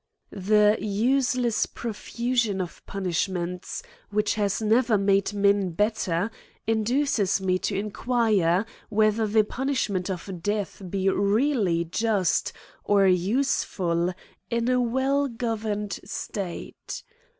THE useless profusion of punishments, which has never made men better, induces me to in quire, whether the punishment of death bt really just or useful in a well governed state